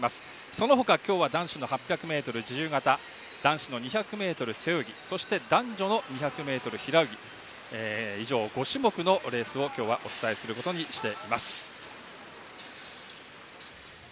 その他、今日は男子の８００ｍ自由形男子の２００ｍ背泳ぎそして男女の２００ｍ平泳ぎ以上５種目のレースを今日はお伝えすることにしています。